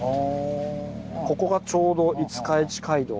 ここがちょうど五日市街道ですね。